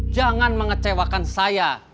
jangan mengecewakan saya